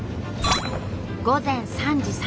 午前３時。